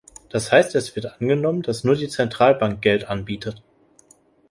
Das heißt, es wird angenommen, dass nur die Zentralbank Geld anbietet.